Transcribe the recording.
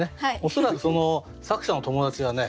恐らく作者の友達がね